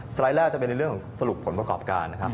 ไลด์แรกจะเป็นในเรื่องของสรุปผลประกอบการนะครับ